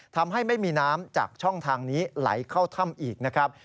ทำให้ไม่มีน้ำจากช่องทางนี้ไหลเข้าถ้ำอีกนะครับ